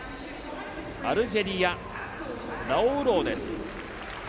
アルジェリア、ラオウロウです。